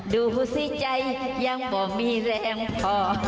ดูสิใจยังบ่มีแรงพอ